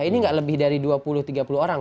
ini nggak lebih dari dua puluh tiga puluh orang